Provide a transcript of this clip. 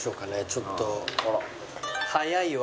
ちょっと。